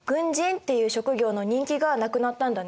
軍人っていう職業の人気がなくなったんだね。